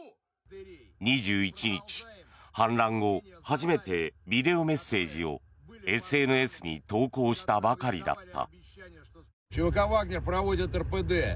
２１日、反乱後、初めてビデオメッセージをＳＮＳに投稿したばかりだった。